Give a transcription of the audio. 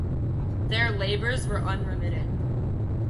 Their labours were unremitting.